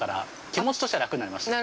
気持ちとしては楽になりました。